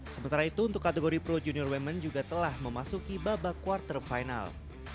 sementara itu untuk kategori pro junior women juga telah memasuki babak quarter final